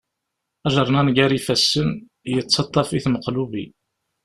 Ajernan gar ifassen, yettaṭṭaf-it meqlubi.